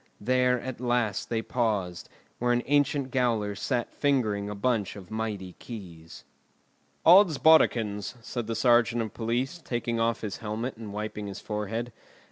There at last they paused, where an ancient gaoler sat fingering a bunch of mighty keys. "Oddsbodikins!" said the sergeant of police, taking off his helmet and wiping his forehead.